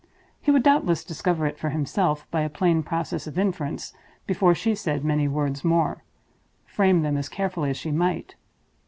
He would doubtless discover it for himself, by a plain process of inference, before she said many words more, frame them as carefully as she might.